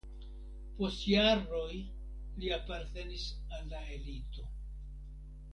Post jaroj li apartenis al la elito.